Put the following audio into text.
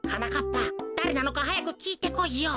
ぱだれなのかはやくきいてこいよ。